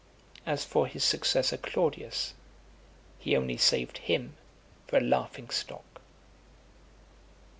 As for his successor Claudius, he only saved him for a laughing stock.